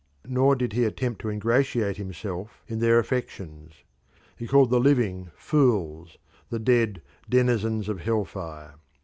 Nor did he attempt to ingratiate himself in their affections. "He called the living fools, the dead denizens of hell fire."